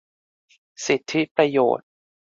สิทธิประโยชน์